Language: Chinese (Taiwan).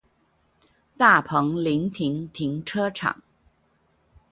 大鵬臨停停車場